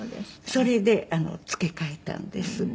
それで付け替えたんです。